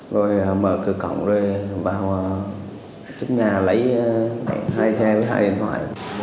rồi mở cửa cổng rồi vào trước nhà lấy hai xe với hai điện thoại